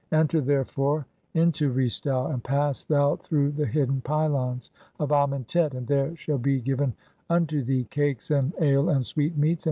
Enter, therefore, "into Re stau, and pass thou through the hidden pylons of "Amentet, and there shall be given unto thee cakes, (14) and "ale, and sweetmeats